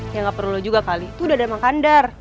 ya nggak perlu juga kali itu udah ada makandar